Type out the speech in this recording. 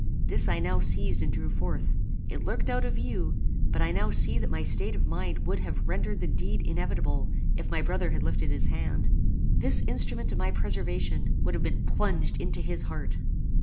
This I now seized and drew forth. It lurked out of view: but I now see that my state of mind would have rendered the deed inevitable if my brother had lifted his hand. This instrument of my preservation would have been plunged into his heart.